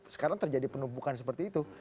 sekarang terjadi penumpukan seperti itu